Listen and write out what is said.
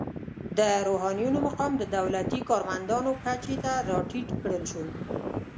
د روحانینو مقام د دولتي کارمندانو کچې ته راټیټ کړل شو.